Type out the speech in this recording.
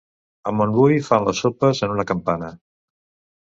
A Montbui fan les sopes en una campana.